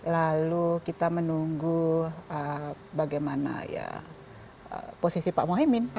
lalu kita menunggu bagaimana ya posisi pak mohaimin